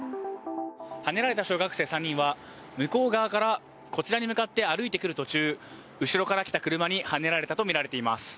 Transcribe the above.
はねられた小学生３人は向こう側からこちらに向かって歩いてくる途中後ろから来た車にはねられたとみられています。